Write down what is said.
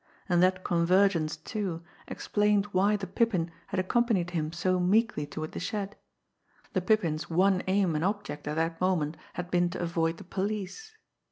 And that convergence, too, explained why the Pippin had accompanied him so meekly toward the shed the Pippin's one aim and object at that moment had been to avoid the police!